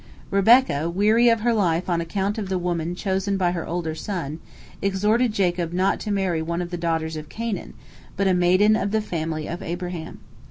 Rebekah, weary of her life on account of the woman chosen by her older son, exhorted Jacob not to marry one of the daughters of Canaan, but a maiden of the family of Abraham.